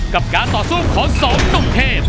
กับการต่อสู้ของสองหนุ่มเทพ